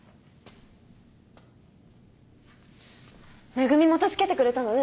めぐみも助けてくれたのね